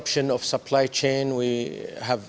penyebab dari jaringan penyelenggaraan